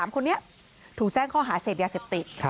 ๓คนนี้ถูกแจ้งข้อหาเสพยาเสพติด